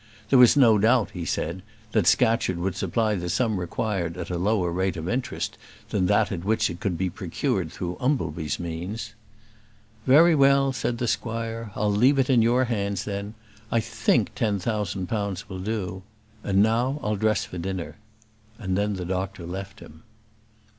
There was no doubt, he said, that Scatcherd would supply the sum required at a lower rate of interest than that at which it could be procured through Umbleby's means. "Very well," said the squire. "I'll leave it in your hands, then. I think ten thousand pounds will do. And now I'll dress for dinner." And then the doctor left him.